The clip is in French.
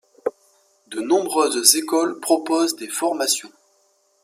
De nombreuses écoles proposent des formations.